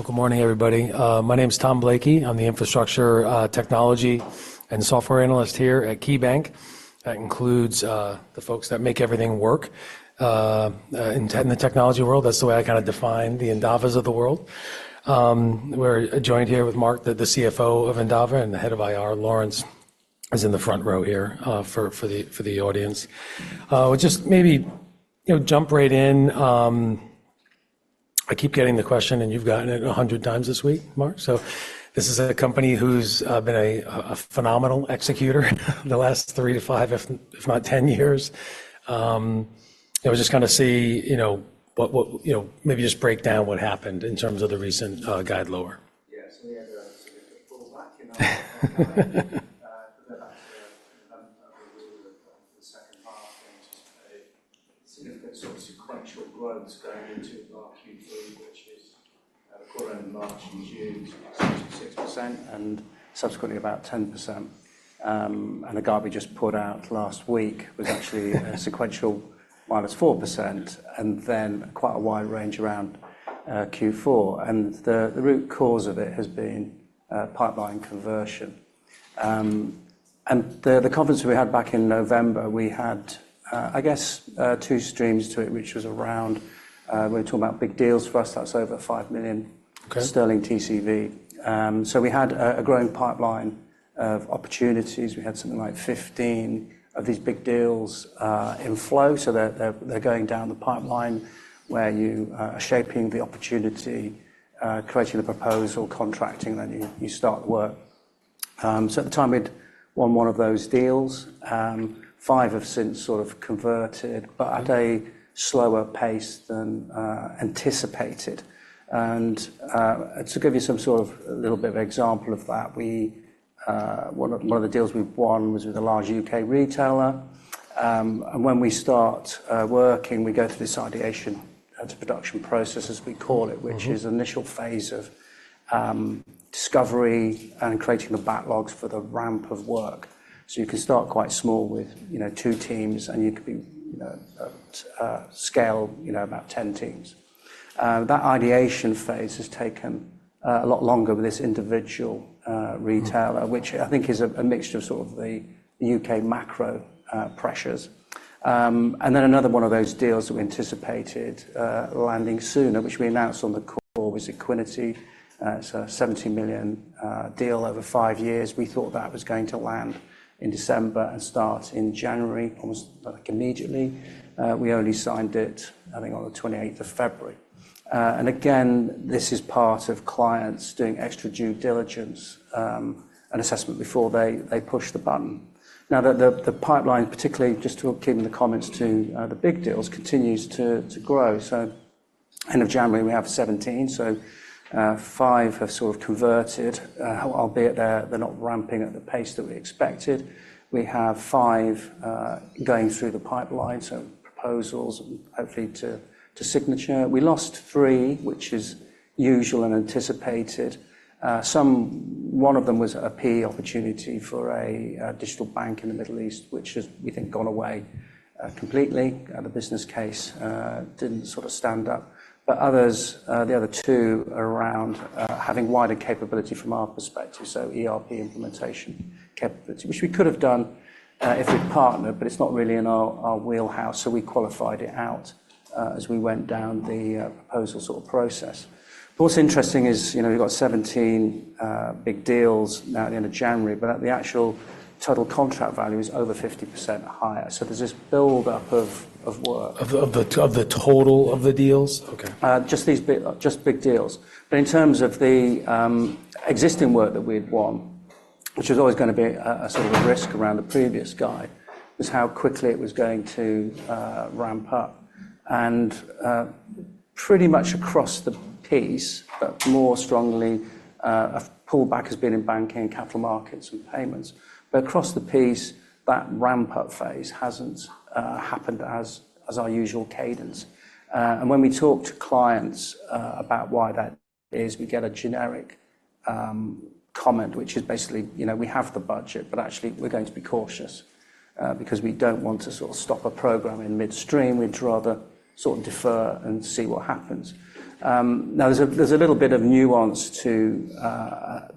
Well, good morning, everybody. My name's Tom Blakey. I'm the Infrastructure, Technology and Software Analyst here at KeyBanc. That includes the folks that make everything work in the technology world. That's the way I kind of define the Endavas of the world. We're joined here with Mark, the CFO of Endava, and the Head of IR Laurence is in the front row here for the audience. We'll just maybe, you know, jump right in. I keep getting the question, and you've gotten it 100x this week, Mark. So this is a company who's been a phenomenal executor the last 3, 5, if not 10 years. You know, we just kind of see, you know, what, you know, maybe just break down what happened in terms of the recent guidance lower. Yeah. So we had a significant pullback in our, the utilization of the second half, and just a significant sort of sequential growth going into FQ3, which is recorded in March and June to about 66% and subsequently about 10%. And the guidance we just put out last week was actually a sequential -4% and then quite a wide range around Q4. And the root cause of it has been pipeline conversion. And the conference that we had back in November, we had, I guess, two streams to it, which was around when we're talking about big deals for us, that's over $5 million Sterling TCV. We had a growing pipeline of opportunities. We had something like 15 of these big deals in flow. So they're going down the pipeline where you are shaping the opportunity, creating the proposal, contracting, and then you start work. So at the time we'd won one of those deals, five have since sort of converted but at a slower pace than anticipated. And to give you some sort of a little bit of example of that, one of the deals we've won was with a large UK retailer. And when we start working, we go through this ideation to production process, as we call it, which is initial phase of discovery and creating the backlogs for the ramp of work. So you can start quite small with, you know, two teams, and you could be, you know, at scale, you know, about 10 teams. That ideation phase has taken a lot longer with this individual retailer, which I think is a mixture of sort of the U.K. macro pressures. And then another one of those deals that we anticipated landing sooner, which we announced on the call, was Equiniti. It's a 70 million deal over 5 years. We thought that was going to land in December and start in January, almost like immediately. We only signed it, I think, on the 28th of February. And again, this is part of clients doing extra due diligence, an assessment before they push the button. Now, the pipeline, particularly just to keep the comments to the big deals, continues to grow. So, end of January, we have 17. So, five have sort of converted, albeit they're not ramping at the pace that we expected. We have five going through the pipeline, so proposals and hopefully to signature. We lost three, which is usual and anticipated. One of them was a PE opportunity for a digital bank in the Middle East, which has, we think, gone away completely. The business case didn't sort of stand up. But the other two are around having wider capability from our perspective, so ERP implementation capability, which we could have done if we'd partnered, but it's not really in our wheelhouse. So we qualified it out as we went down the proposal sort of process. What's interesting is, you know, we've got 17 big deals now at the end of January, but the actual total contract value is over 50% higher. So there's this buildup of work. Of the total of the deals? Okay. Just these big deals. But in terms of the existing work that we'd won, which was always going to be a sort of a risk around the previous guide, was how quickly it was going to ramp up. And pretty much across the piece, but more strongly, a pullback has been in banking, capital markets, and payments. But across the piece, that ramp-up phase hasn't happened as our usual cadence. And when we talk to clients about why that is, we get a generic comment, which is basically, you know, "We have the budget, but actually, we're going to be cautious, because we don't want to sort of stop a program in midstream. We'd rather sort of defer and see what happens." Now, there's a little bit of nuance to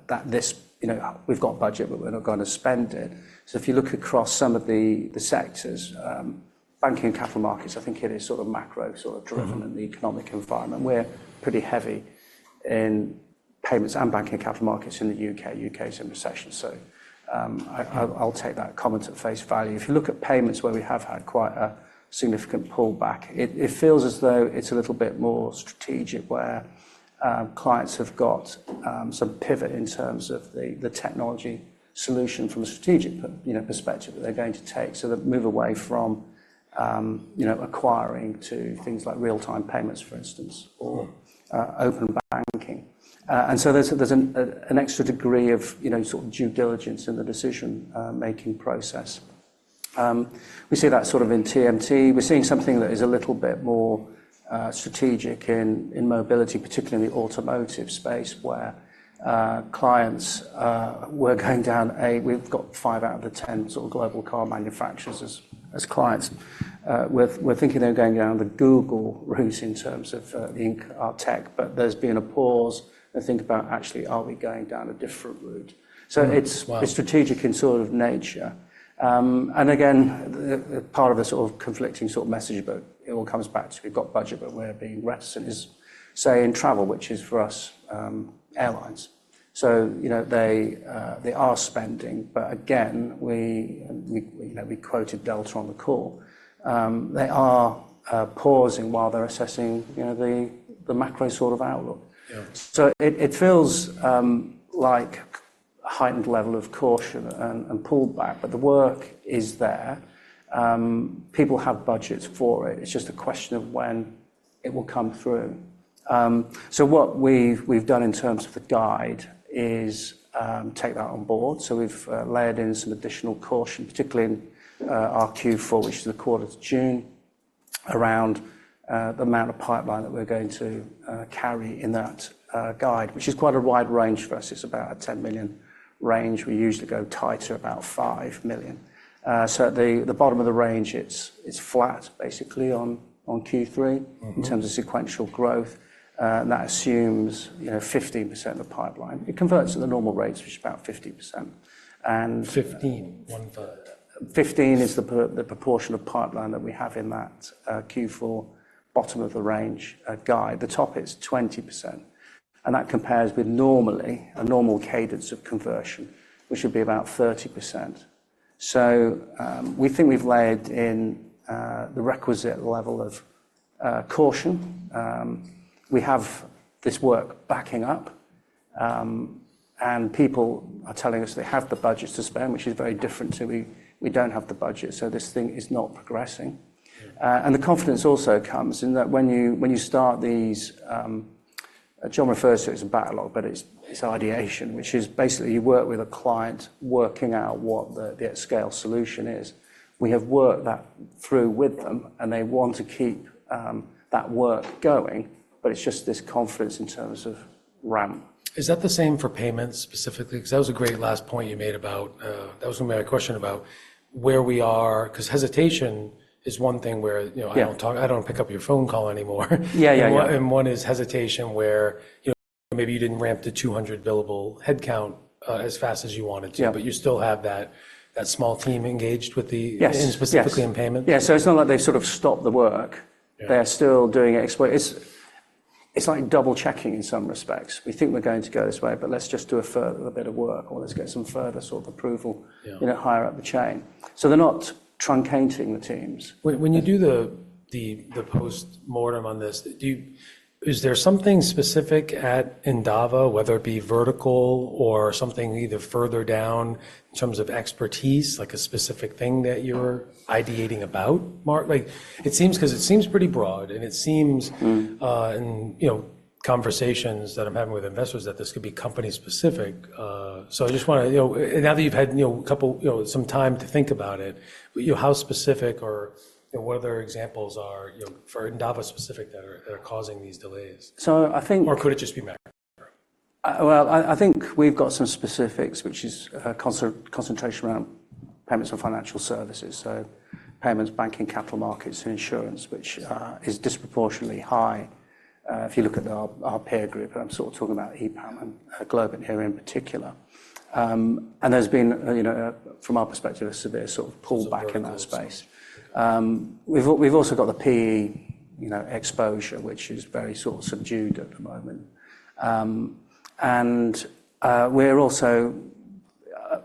that. This, you know, we've got budget, but we're not going to spend it. So if you look across some of the sectors, banking and capital markets, I think it is sort of macro sort of driven in the economic environment. We're pretty heavy in payments and banking and capital markets in the U.K. U.K.'s in recession. So, I'll take that comment at face value. If you look at payments where we have had quite a significant pullback, it feels as though it's a little bit more strategic where clients have got some pivot in terms of the technology solution from a strategic, you know, perspective that they're going to take so that move away from, you know, acquiring to things like real-time payments, for instance, or Open Banking. And so there's an extra degree of, you know, sort of due diligence in the decision-making process. We see that sort of in TMT. We're seeing something that is a little bit more strategic in mobility, particularly in the automotive space where clients, we've got five out of the 10 sort of global car manufacturers as clients. We're thinking they're going down the Google route in terms of the in-car tech, but there's been a pause to think about actually, are we going down a different route? So it's strategic in sort of nature. And again, the part of the sort of conflicting sort of message, but it all comes back to, "We've got budget, but we're being reticent," is, say, in travel, which is for us, airlines. So, you know, they are spending, but again, we, you know, we quoted Delta on the call. They are pausing while they're assessing, you know, the macro sort of outlook. Yeah. So it feels like heightened level of caution and pullback, but the work is there. People have budgets for it. It's just a question of when it will come through. So what we've done in terms of the guide is take that on board. So we've layered in some additional caution, particularly in our Q4, which is the quarter of June, around the amount of pipeline that we're going to carry in that guide, which is quite a wide range for us. It's about a $10 million range. We usually go tighter about $5 million. So at the bottom of the range, it's flat, basically, on Q3. In terms of sequential growth, and that assumes, you know, 15% of the pipeline. It converts at the normal rates, which is about 50%. Fifteen? 1/3? And 15% is the proportion of the pipeline that we have in that, Q4 bottom of the range guide. The top is 20%. And that compares with a normal cadence of conversion, which would be about 30%. So, we think we've layered in the requisite level of caution. We have this work backing up, and people are telling us they have the budgets to spend, which is very different to, "We, we don't have the budget, so this thing is not progressing." And the confidence also comes in that when you start these, John refers to it as a backlog, but it's ideation, which is basically you work with a client working out what the at-scale solution is. We have worked that through with them, and they want to keep that work going, but it's just this confidence in terms of ramp. Is that the same for payments specifically? Because that was a great last point you made about that. That was going to be my question about where we are. Because hesitation is one thing where, you know, I don't talk. I don't pick up your phone call anymore. Yeah, yeah, yeah. And one is hesitation where, you know, maybe you didn't ramp the 200 billable headcount as fast as you wanted to. Yeah. But you still have that small team engaged with the specifically in payments? Yeah. It's not like they sort of stopped the work. Yeah. They are still doing it expeditiously, it's like double-checking in some respects. We think we're going to go this way, but let's just do a further bit of work, or let's get some further sort of approval. Yeah. You know, higher up the chain. So they're not truncating the teams. When you do the postmortem on this, do you is there something specific at Endava, whether it be vertical or something either further down in terms of expertise, like a specific thing that you're ideating about, Mark? Like, it seems because it seems pretty broad, and it seems. In, you know, conversations that I'm having with investors that this could be company-specific. So I just want to, you know, now that you've had, you know, a couple you know, some time to think about it, you know, how specific or, you know, what other examples are, you know, for Endava-specific that are causing these delays? Or could it just be macro? Well, I think we've got some specifics, which is concentration around payments for financial services, so payments, banking, capital markets, and insurance, which is disproportionately high, if you look at our, our peer group. And I'm sort of talking about EPAM and Globant here in particular. And there's been, you know, from our perspective, a severe sort of pullback in that space. We've also got the PE, you know, exposure, which is very sort of subdued at the moment. We're also,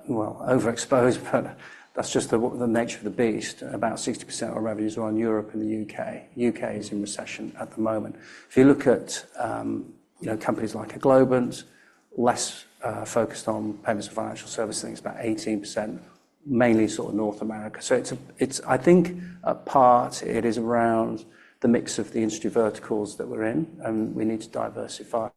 well, overexposed, but that's just the nature of the beast. About 60% of our revenues are in Europe and the U.K. U.K. is in recession at the moment. If you look at, you know, companies like Globant, less focused on payments for financial services, I think it's about 18%, mainly sort of North America. So it's, I think, in part, it is around the mix of the industry verticals that we're in, and we need to diversify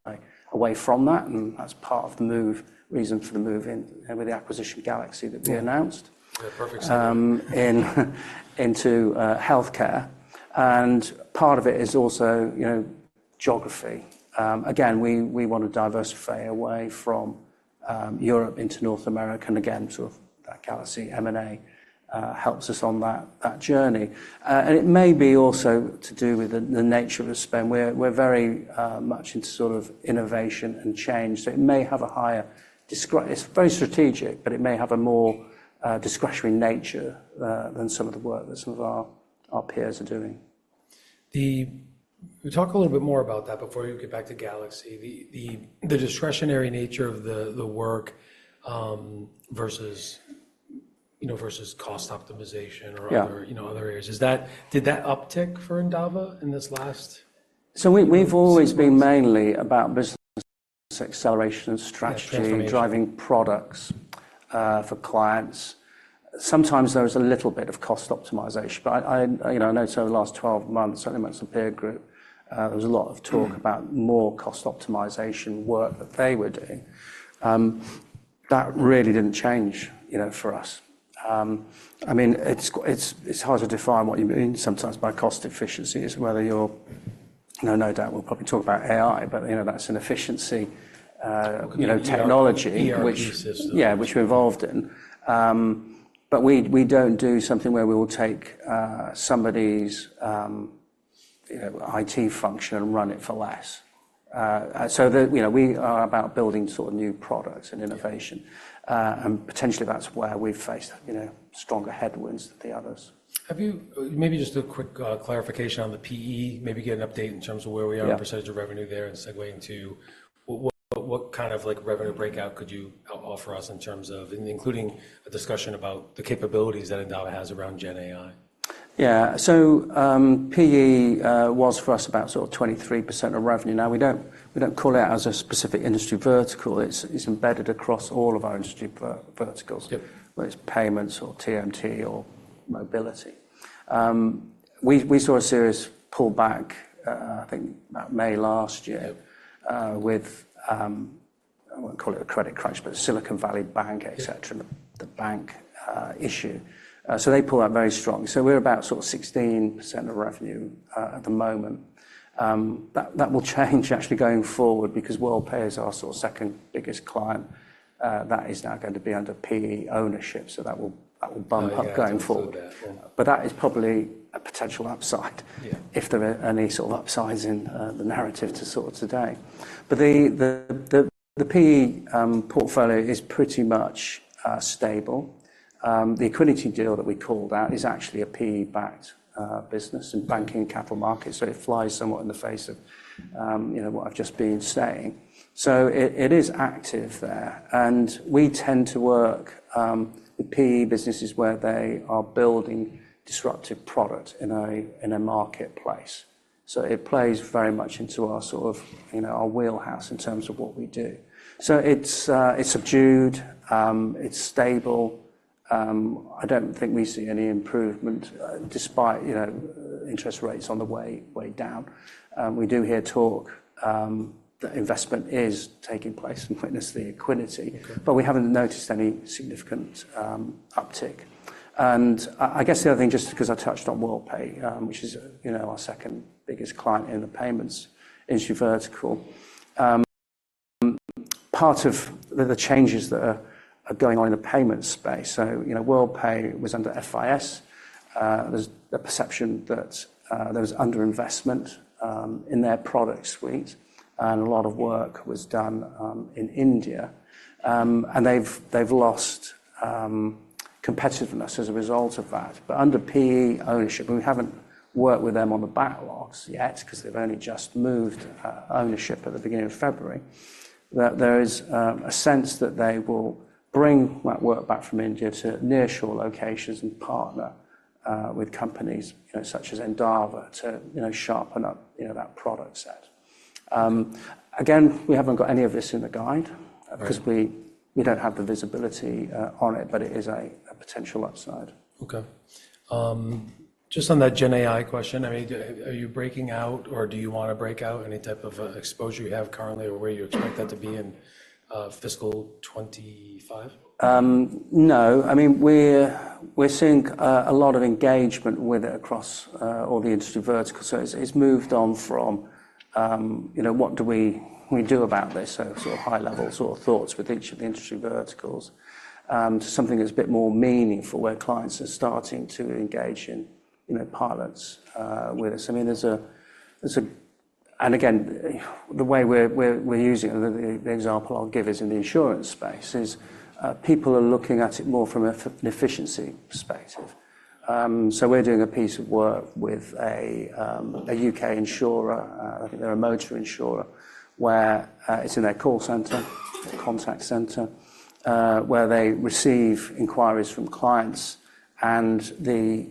away from that. And that's part of the main reason for the move in, you know, with the acquisition GalaxE.Solutions that we announced. Yeah. Yeah, perfect summary. into healthcare. And part of it is also, you know, geography. Again, we want to diversify away from Europe into North America. And again, sort of that GalaxE.Solutions M&A helps us on that journey. And it may be also to do with the nature of the spend. We're very much into sort of innovation and change. So it may have a higher discretionary, it's very strategic, but it may have a more discretionary nature than some of the work that some of our peers are doing. Then we talk a little bit more about that before we get back to GalaxE.Solutions. The discretionary nature of the work versus, you know, versus cost optimization or other. Yeah. You know, other areas. Is that did that uptick for Endava in this last? We've always been mainly about business acceleration and strategy driving products for clients. Sometimes there was a little bit of cost optimization, but I, you know, I know so over the last 12 months, certainly among the peer group, there was a lot of talk about more cost optimization work that they were doing. That really didn't change, you know, for us. I mean, it's, it's hard to define what you mean sometimes by cost efficiencies, whether you're now, no doubt, we'll probably talk about AI, but, you know, that's an efficiency, you know, technology. Yeah, ecosystem. Yeah, which we're involved in. But we don't do something where we will take somebody's, you know, IT function and run it for less. So, you know, we are about building sort of new products and innovation. And potentially, that's where we've faced, you know, stronger headwinds than the others. Have you maybe just a quick clarification on the PE, maybe get an update in terms of where we are? Yeah. Percentage of revenue there and segue into what kind of, like, revenue breakout could you offer us in terms of and including a discussion about the capabilities that Endava has around GenAI? Yeah. So, PE was for us about sort of 23% of revenue. Now, we don't call it as a specific industry vertical. It's embedded across all of our industry verticals. Yep. Whether it's payments or TMT or mobility. We saw a serious pullback, I think, about May last year with, I won't call it a credit crash, but Silicon Valley Bank, etc., and the bank issue. So they pulled out very strong. So we're about sort of 16% of revenue at the moment. That will change, actually, going forward because Worldpay is our sort of second biggest client. That is now going to be under PE ownership, so that will bump up going forward. Yeah, yeah. I've heard that. Yeah. But that is probably a potential upside. Yeah. If there are any sort of upsides in the narrative sort of today. But the PE portfolio is pretty much stable. The Equiniti deal that we called out is actually a PE-backed business in banking and capital markets, so it flies somewhat in the face of, you know, what I've just been saying. So it is active there. And we tend to work with PE businesses where they are building disruptive product in a marketplace. So it plays very much into our sort of, you know, our wheelhouse in terms of what we do. So it's subdued. It's stable. I don't think we see any improvement, despite, you know, interest rates on the way down. We do hear talk that investment is taking place and witness the Equiniti, but we haven't noticed any significant uptick. I guess the other thing, just because I touched on Worldpay, which is, you know, our second biggest client in the payments industry vertical, part of the changes that are going on in the payments space so, you know, Worldpay was under FIS. There's a perception that there was underinvestment in their product suite, and a lot of work was done in India. And they've lost competitiveness as a result of that. But under PE ownership, and we haven't worked with them on the backlogs yet because they've only just moved ownership at the beginning of February, that there is a sense that they will bring that work back from India to nearshore locations and partner with companies, you know, such as Endava to, you know, sharpen up, you know, that product set. Again, we haven't got any of this in the guide because we don't have the visibility on it, but it is a potential upside. Okay. Just on that GenAI question, I mean, are you breaking out, or do you want to break out any type of exposure you have currently or where you expect that to be in fiscal 2025? No. I mean, we're seeing a lot of engagement with it across all the industry verticals. So it's moved on from, you know, "What do we do about this?" So sort of high-level sort of thoughts with each of the industry verticals, to something that's a bit more meaningful where clients are starting to engage in, you know, pilots, with us. I mean, there's a, and again, the way we're using it, the example I'll give is in the insurance space is, people are looking at it more from an efficiency perspective. So we're doing a piece of work with a U.K. insurer I think they're a motor insurer where, it's in their call centre, contact centre, where they receive inquiries from clients. The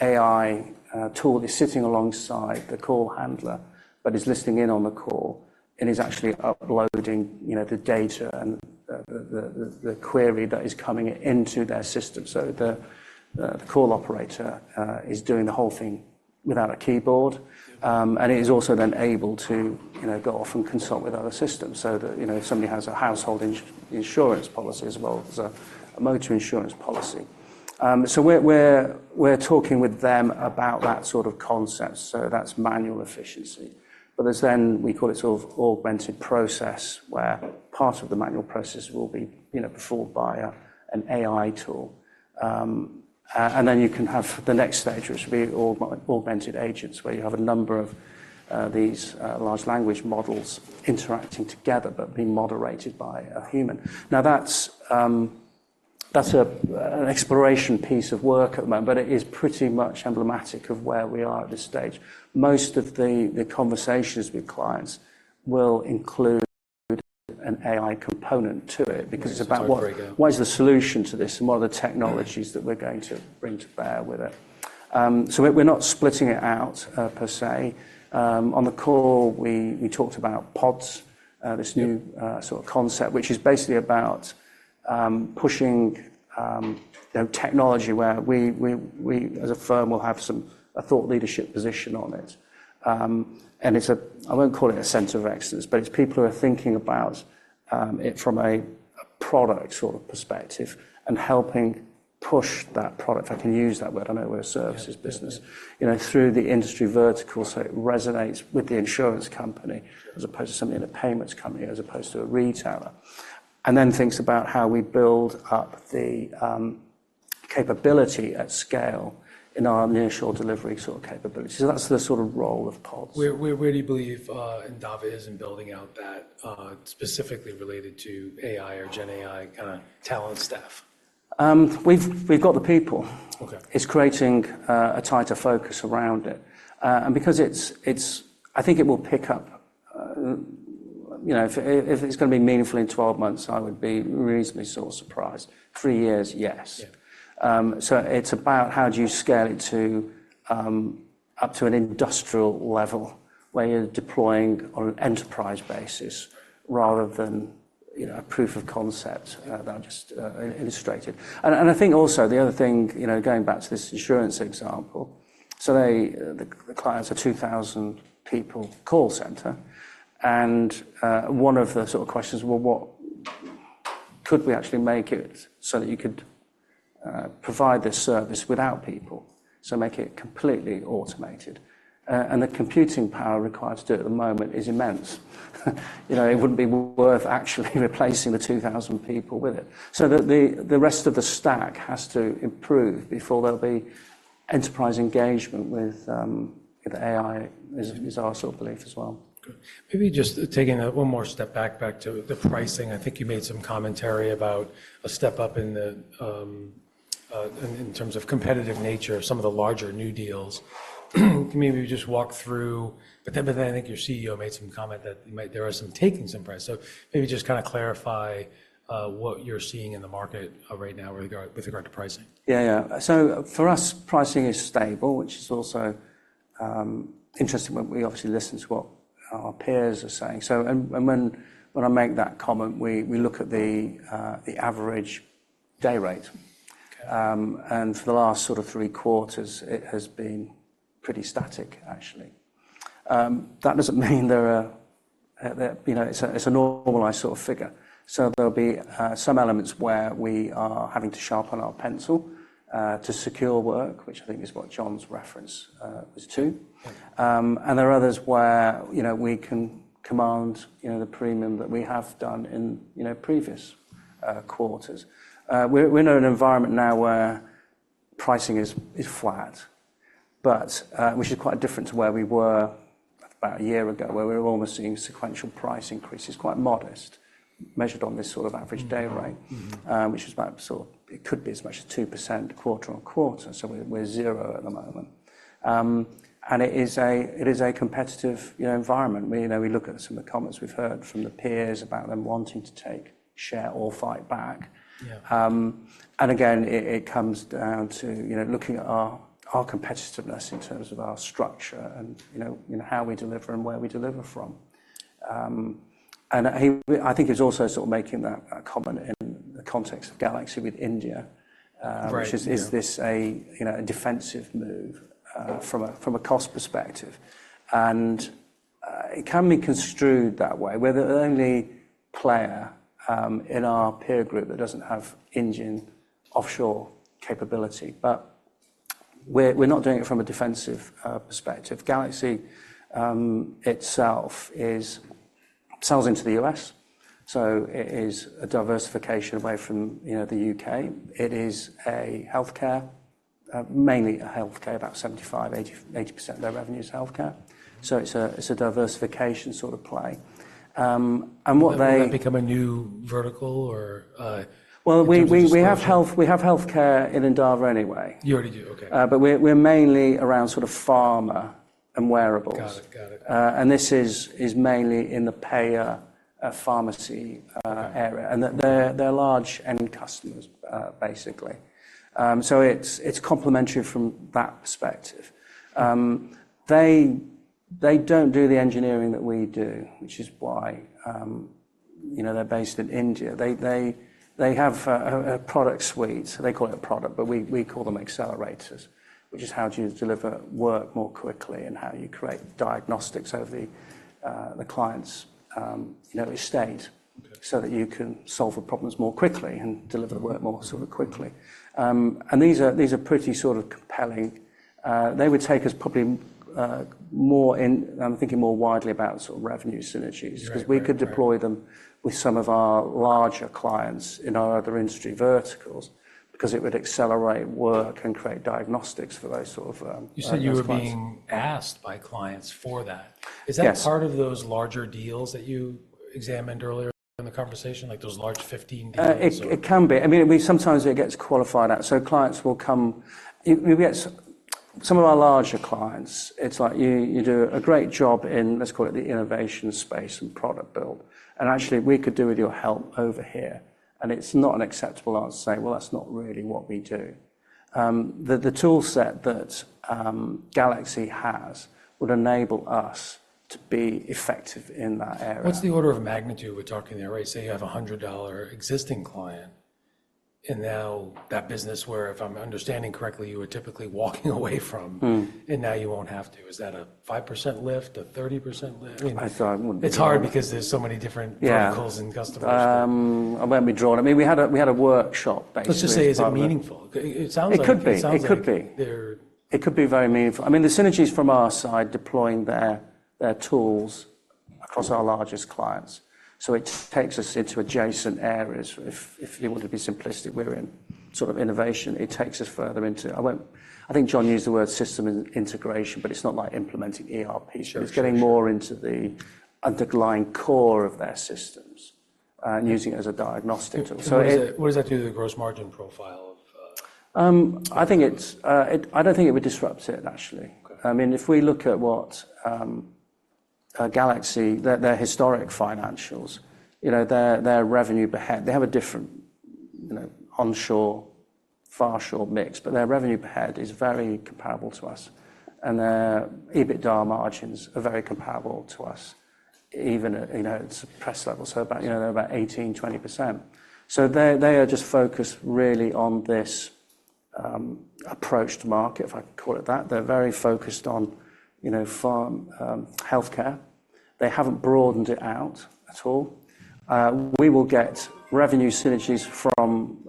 AI tool that's sitting alongside the call handler but is listening in on the call and is actually uploading, you know, the data and the query that is coming into their system. So the call operator is doing the whole thing without a keyboard, and it is also then able to, you know, go off and consult with other systems so that, you know, if somebody has a household insurance policy as well, there's a motor insurance policy. So we're talking with them about that sort of concept. So that's manual efficiency. But there's then we call it sort of augmented process where part of the manual process will be, you know, performed by an AI tool. And then you can have the next stage, which would be augmented agents where you have a number of these large language models interacting together but being moderated by a human. Now, that's an exploration piece of work at the moment, but it is pretty much emblematic of where we are at this stage. Most of the conversations with clients will include an AI component to it because it's about what. Sorry, sorry. Go ahead. What is the solution to this, and what are the technologies that we're going to bring to bear with it? So we're not splitting it out, per se. On the call, we talked about pods, this new sort of concept, which is basically about pushing, you know, technology where we as a firm will have some thought leadership position on it. And it's AI, I won't call it a center of excellence, but it's people who are thinking about it from a product sort of perspective and helping push that product if I can use that word. I know the word services business. You know, through the industry vertical so it resonates with the insurance company as opposed to somebody in a payments company as opposed to a retailer and then thinks about how we build up the capability at scale in our nearshore delivery sort of capabilities. So that's the sort of role of pods. We really believe Endava is in building out that, specifically related to AI or GenAI kind of talent staff. We've got the people. Okay. It's creating a tighter focus around it. And because it's, I think it will pick up, you know, if it's going to be meaningful in 12 months, I would be reasonably sort of surprised. Three years, yes. Yeah. So it's about how do you scale it up to an industrial level where you're deploying on an enterprise basis rather than, you know, a proof of concept that I've just illustrated. And I think also, the other thing, you know, going back to this insurance example so they, the clients are 2,000-person call center. And one of the sort of questions is, well, what could we actually make it so that you could provide this service without people, so make it completely automated? And the computing power required to do it at the moment is immense. You know, it wouldn't be worth actually replacing the 2,000 people with it. So that the rest of the stack has to improve before there'll be enterprise engagement with AI is our sort of belief as well. Okay. Maybe just taking that one more step back to the pricing. I think you made some commentary about a step up in terms of competitive nature of some of the larger new deals. Can maybe you just walk through but then I think your CEO made some comment that you might there are some takings in price. So maybe just kind of clarify what you're seeing in the market right now with regard to pricing. Yeah, yeah. So for us, pricing is stable, which is also interesting when we obviously listen to what our peers are saying. So, and when I make that comment, we look at the average day rate. Okay. And for the last sort of three quarters, it has been pretty static, actually. That doesn't mean there are you know, it's a normalized sort of figure. So there'll be some elements where we are having to sharpen our pencil to secure work, which I think is what John's reference was to. There are others where, you know, we can command, you know, the premium that we have done in, you know, previous quarters. We're in an environment now where pricing is flat, but which is quite different to where we were about a year ago, where we were almost seeing sequential price increases quite modest, measured on this sort of average day rate which is about sort of it could be as much as 2% quarter-on-quarter. So we're zero at the moment. And it is a competitive, you know, environment. We, you know, we look at some of the comments we've heard from the peers about them wanting to take share or fight back. Yeah. And again, it comes down to, you know, looking at our competitiveness in terms of our structure and, you know, you know, how we deliver and where we deliver from. And he, I think he was also sort of making that comment in the context of GalaxE.Solutions with India. Right. Which is, is this a, you know, a defensive move from a cost perspective? And it can be construed that way, where there's only player in our peer group that doesn't have Indian offshore capability. But we're not doing it from a defensive perspective. GalaxE.Solutions itself sells into the U.S., so it is a diversification away from, you know, the U.K. It is mainly a healthcare. About 75%-80% of their revenue is healthcare. So it's a diversification sort of play. Will that become a new vertical or? Well, we have healthcare in Endava anyway. You already do? Okay. But we're mainly around sort of pharma and wearables. Got it. Got it. This is mainly in the payer, pharmacy area. Okay. They're large end customers, basically. It's complementary from that perspective. They don't do the engineering that we do, which is why, you know, they're based in India. They have a product suite. So they call it a product, but we call them accelerators, which is how do you deliver work more quickly and how you create diagnostics over the client's, you know, estate. So that you can solve the problems more quickly and deliver the work more sort of quickly. And these are these are pretty sort of compelling. They would take us probably, more in. I'm thinking more widely about sort of revenue synergies. Yeah. Because we could deploy them with some of our larger clients in our other industry verticals because it would accelerate work and create diagnostics for those sort of, platforms. You said you were being asked by clients for that. Is that part of those larger deals that you examined earlier in the conversation, like those large 15 deals? It can be. I mean, we sometimes get it qualified out. So clients will come to you. You get some of our larger clients; it's like, "You do a great job in" let's call it the innovation space and product build. "And actually, we could do with your help over here." And it's not an acceptable answer to say, "Well, that's not really what we do." The toolset that GalaxE has would enable us to be effective in that area. What's the order of magnitude we're talking there? Right? Say you have a $100 existing client, and now that business where, if I'm understanding correctly, you were typically walking away from. Now you won't have to. Is that a 5% lift, a 30% lift? I mean. I thought I wouldn't be. It's hard because there's so many different verticals and customers. Yeah. I won't be drawn, I mean, we had a workshop, basically. Let's just say, is it meaningful? It sounds like they're. It could be very meaningful. I mean, the synergies from our side deploying their tools across our largest clients. So it takes us into adjacent areas. If you want to be simplistic, we're in sort of innovation. It takes us further into. I won't. I think John used the word systems integration, but it's not like implementing ERP. Sure. It's getting more into the underlying core of their systems, and using it as a diagnostic tool. So it. What does that do to the gross margin profile of? I think it, I don't think it would disrupt it, actually. Okay. I mean, if we look at what GalaxE.Solutions, their historic financials, you know, their revenue per head they have a different, you know, onshore, offshore mix, but their revenue per head is very comparable to us. And their EBITDA margins are very comparable to us, even at, you know, it's a pre-scale level. So about, you know, they're about 18%-20%. So they are just focused really on this approach to market, if I can call it that. They're very focused on, you know, pharma, healthcare. They haven't broadened it out at all. We will get revenue synergies from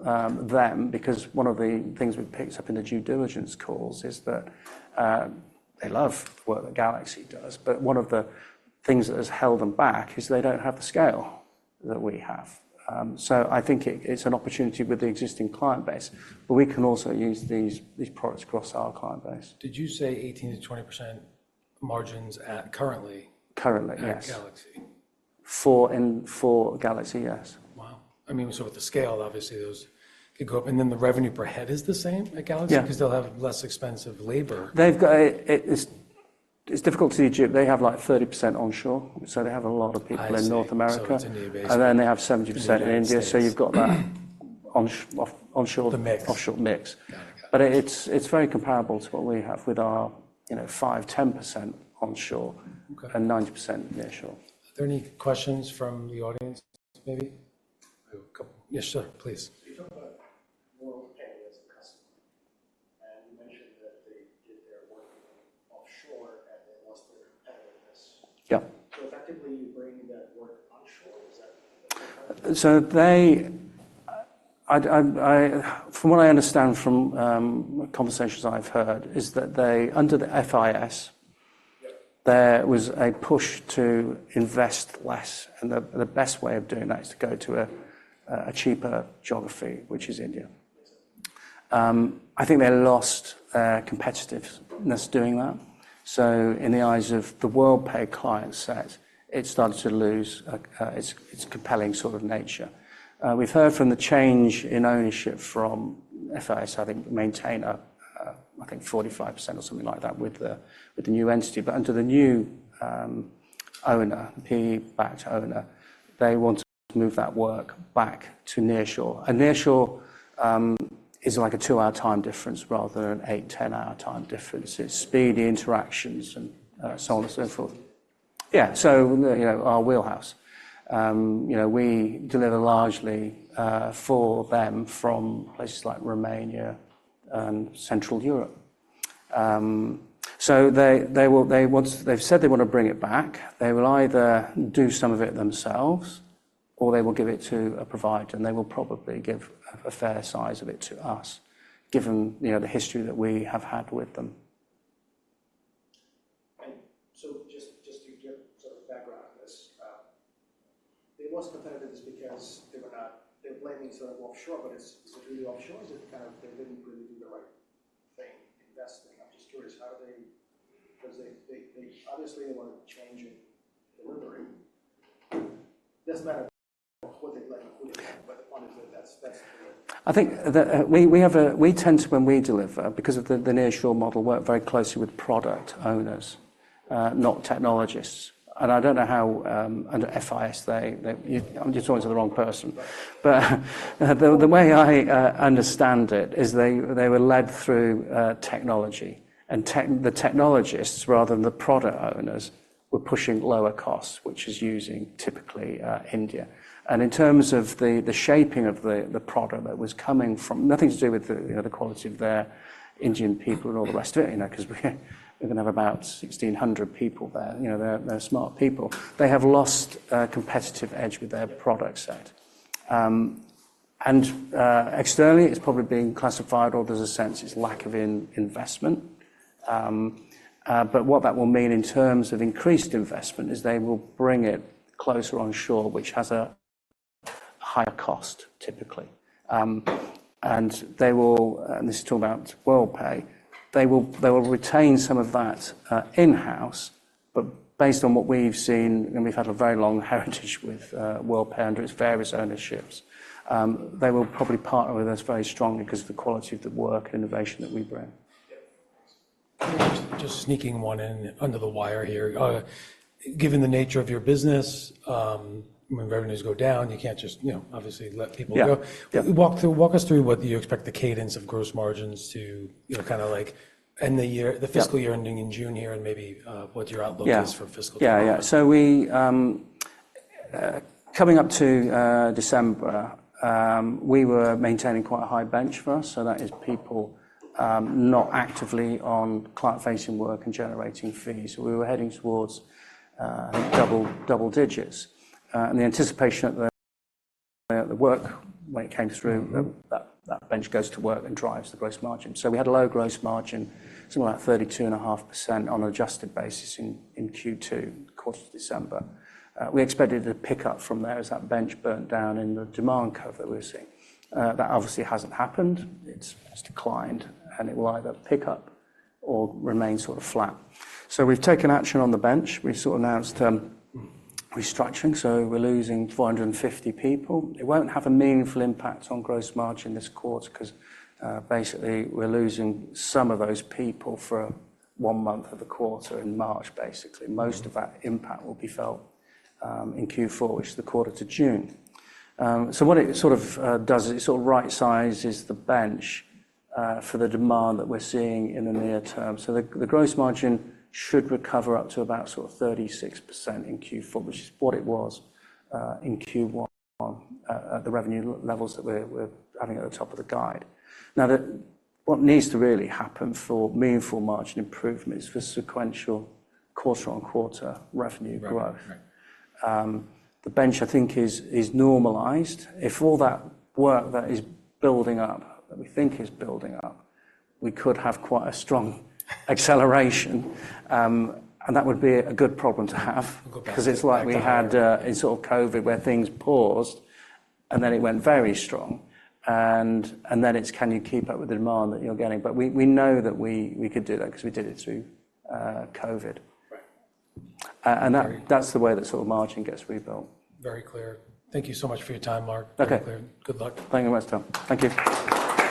them because one of the things we've picked up in the due diligence calls is that they love the work that GalaxE.Solutions does, but one of the things that has held them back is they don't have the scale that we have. I think it's an opportunity with the existing client base, but we can also use these, these products across our client base. Did you say 18%-20% margins at currently? Currently, yes. At GalaxE? For India for GalaxE, yes. Wow. I mean, so with the scale, obviously, those could go up. And then the revenue per head is the same at GalaxE.Solutions? Yeah. Because they'll have less expensive labor. They've got it. It's difficult to do. They have, like, 30% onshore. So they have a lot of people in North America. Oh, so it's in the U.S., yeah. And then they have 70% in India. So you've got that onshore-offshore. The mix. Offshore mix. Got it. Got it. But it's very comparable to what we have with our, you know, 5%-10% onshore and 90% nearshore. Are there any questions from the audience, maybe? A couple yes, sir. Please. You talk about Worldpay as the customer. You mentioned that they did their work offshore, and it lost their competitiveness. Yeah. Effectively, you bring that work onshore. Is that the comparison? So, from what I understand from conversations I've heard, is that they under the FIS. Yeah. There was a push to invest less. And the best way of doing that is to go to a cheaper geography, which is India. Exactly. I think they lost their competitiveness doing that. So in the eyes of the Worldpay client set, it started to lose its compelling sort of nature. We've heard from the change in ownership from FIS, I think maintain, I think 45% or something like that with the new entity. But under the new owner, the PE-backed owner, they wanted to move that work back to nearshore. And nearshore is like a 2-hour time difference rather than an 8, 10-hour time difference. It's speedy interactions, and so on and so forth. Yeah. So, you know, our wheelhouse. You know, we deliver largely for them from places like Romania and Central Europe. So they want; they've said they want to bring it back. They will either do some of it themselves, or they will give it to a provider, and they will probably give a fair size of it to us, given, you know, the history that we have had with them. Just to get sort of background on this, they lost competitiveness because they were not. They were blaming sort of offshore, but is it really offshore? Is it kind of they didn't really do the right thing, investing? I'm just curious. How do they, because they obviously want to change in delivery. Doesn't matter what they like or who they like, but the point is that that's the way. I think we tend to, when we deliver, because of the nearshore model, work very closely with product owners, not technologists. And I don't know how, under FIS, they. You're talking to the wrong person. But the way I understand it is they were led through technology. And the technologists, rather than the product owners, were pushing lower costs, which is using, typically, India. And in terms of the shaping of the product that was coming from nothing to do with, you know, the quality of their Indian people and all the rest of it, you know, because we're going to have about 1,600 people there. You know, they're smart people. They have lost competitive edge with their product set. And externally, it's probably being classified, or there's a sense, it's lack of investment. What that will mean in terms of increased investment is they will bring it closer onshore, which has a higher cost, typically. And this is talking about Worldpay. They will retain some of that in-house, but based on what we've seen, and we've had a very long heritage with Worldpay under its various ownerships, they will probably partner with us very strongly because of the quality of the work and innovation that we bring. Yeah. Thanks. Can I just, just sneak in one in under the wire here? Given the nature of your business, when revenues go down, you can't just, you know, obviously, let people go. Yeah. Walk us through what you expect the cadence of gross margins to, you know, kind of like end the year, the fiscal year ending in June here and maybe what your outlook is for fiscal year. Yeah. Yeah. So we, coming up to December, were maintaining quite a high bench for us. So that is people not actively on client-facing work and generating fees. So we were heading towards double digits, and the anticipation that the work when it came through, that bench goes to work and drives the gross margin. So we had a low gross margin, something like 32.5% on an adjusted basis in Q2, the course of December. We expected it to pick up from there as that bench burnt down in the demand curve that we were seeing. That obviously hasn't happened. It's declined, and it will either pick up or remain sort of flat. So we've taken action on the bench. We've sort of announced restructuring. So we're losing 450 people. It won't have a meaningful impact on gross margin this quarter because, basically, we're losing some of those people for one month of the quarter in March, basically. Most of that impact will be felt in Q4, which is the quarter to June. So what it sort of does is it sort of right-sizes the bench for the demand that we're seeing in the near term. So the gross margin should recover up to about sort of 36% in Q4, which is what it was in Q1, at the revenue levels that we're having at the top of the guide. Now, what needs to really happen for meaningful margin improvement is for sequential quarter-on-quarter revenue growth. Right. Right. The bench, I think, is normalized. If all that work that is building up that we think is building up, we could have quite a strong acceleration. That would be a good problem to have. We've got better. Because it's like we had, in sort of COVID, where things paused, and then it went very strong. And then it's, "Can you keep up with the demand that you're getting?" But we know that we could do that because we did it through COVID. Right. That, that's the way that sort of margin gets rebuilt. Very clear. Thank you so much for your time, Mark. Okay. Very clear. Good luck. Thank you very much, Tom. Thank you.